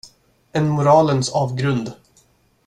En moralens avgrund.